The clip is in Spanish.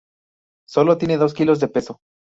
Solo tiene dos kilos de peso.